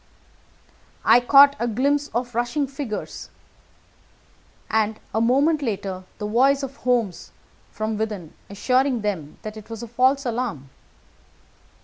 I caught a glimpse of rushing figures, and a moment later the voice of Holmes from within assuring them that it was a false alarm.